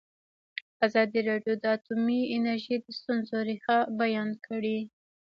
ازادي راډیو د اټومي انرژي د ستونزو رېښه بیان کړې.